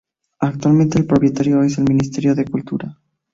Actualmente el propietario es el Ministerio de Cultura.